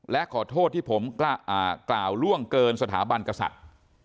และขอโทษที่ผมกล่าวล่วงเกินสถาบันกษัตริย์